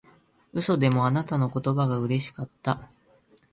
嘘でもあなたの言葉がうれしかった